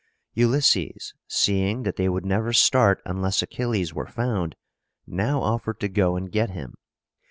Ulysses, seeing that they would never start unless Achilles were found, now offered to go and get him.